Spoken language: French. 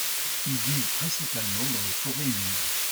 Ils vivent principalement dans les forêts humides.